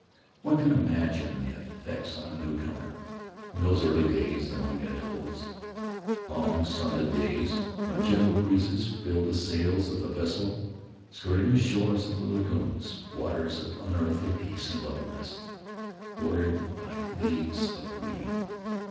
One can imagine the effect on a newcomer of those early days among the atolls — long sunlit days when gentle breezes filled the sails of the vessel skirting the shores of the lagoons — waters of unearthly peace and loveliness, bordered by leagues of green.